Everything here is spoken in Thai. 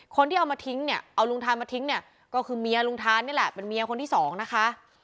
คนที่เอามาทิ้งเนี่ยเอาลุงทานมาทิ้งเนี่ยก็คือเมียลุงทานนี่แหละเป็นเมียคนที่สองนะคะ